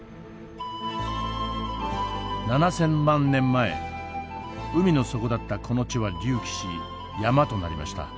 ７，０００万年前海の底だったこの地は隆起し山となりました。